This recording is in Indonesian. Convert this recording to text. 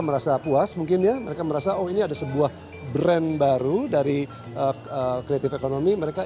merasa puas mungkin ya mereka merasa oh ini ada sebuah brand baru dari creative economy mereka